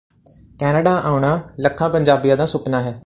Canada ਆਉਣਾ ਲੱਖਾਂ ਪੰਜਾਬੀਆਂ ਦਾ ਸੁਪਨਾ ਹੈ